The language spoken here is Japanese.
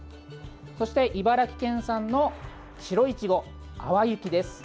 そして茨城県産の白いちご淡雪です。